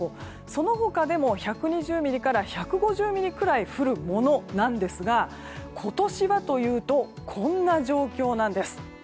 その他でも１２０ミリから１５０ミリくらい降るものなんですが今年はというとこんな状況なんです。